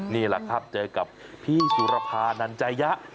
นี่แหละครับเจอกับพี่สุรภานันจายะ